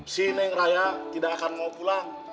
si neng raya tidak akan mau pulang